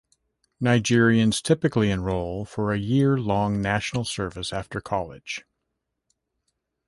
Nigerians typically enroll for a year long National service after college.